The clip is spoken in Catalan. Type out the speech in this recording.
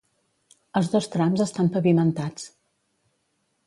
Els dos trams estan pavimentats.